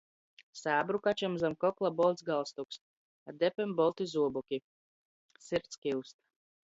Sābru kačam zam kokla bolts galstuks, a depem bolti zuoboki. Sirds kiust!